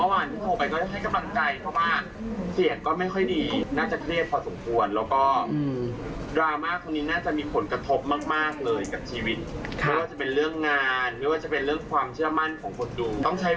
หากว่านที่โทรไปก็จะให้กำลังใจ